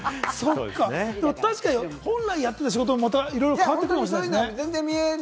確かに、本来やってた仕事もまたいろいろ変わっていくかもしれないですね。